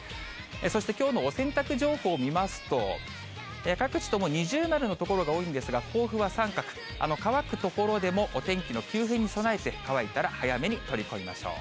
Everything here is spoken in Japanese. そしてきょうのお洗濯情報見ますと、各地とも二重丸の所が多いんですが、甲府は三角、乾く所でもお天気の急変に備えて、乾いたら早めに取り込みましょう。